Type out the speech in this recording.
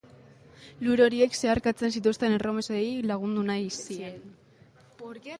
Lur horiek zeharkatzen zituzten erromesei lagundu nahi zien.